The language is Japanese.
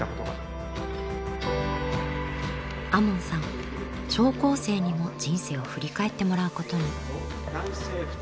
亞門さん聴講生にも人生を振り返ってもらうことに。